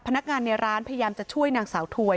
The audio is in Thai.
พนักงานในร้านพยายามจะช่วยนางสาวถวย